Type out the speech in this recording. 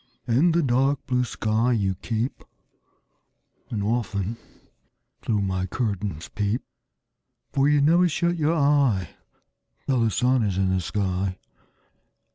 In the dark blue sky you keep, And often through my curtains peep; For you never shut your eye Till the sun is in the sky.